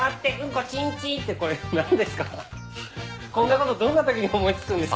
こんなことどんなときに思い付くんですか？